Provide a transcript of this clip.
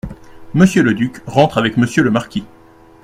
Monsieur le duc rentre avec Monsieur le marquis.